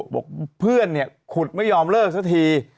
บอกเพื่อนเนี่ยขุดไม่ยอมเลิกสักที